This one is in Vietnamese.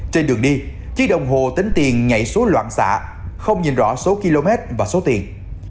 trên đường đi chí đồng hồ tính tiền nhảy xuống loạn xạ không nhìn rõ số km và số tiền